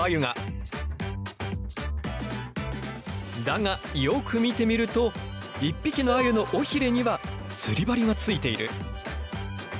だがよく見てみると一匹のアユの尾ひれには釣り針がついている。